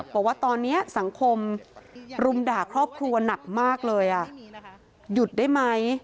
บอกว่าตอนนี้สังคมรุมด่าครอบครัวหนักมากเลยหยุดได้ไหม